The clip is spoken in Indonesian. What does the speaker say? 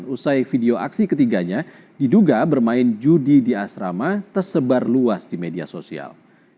usai video aksi ketiganya diduga bermain judi di asrama tersebar luas di media sosial